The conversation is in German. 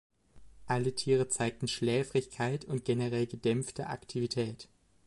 Alle Tiere zeigten Schläfrigkeit und generell gedämpfte Aktivität.